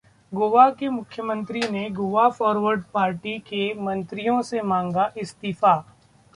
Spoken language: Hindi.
गोवा के मुख्यमंत्री ने गोवा फॉरवर्ड पार्टी के मंत्रियों से मांगा इस्तीफा